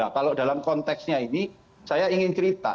kalau dalam konteksnya ini saya ingin cerita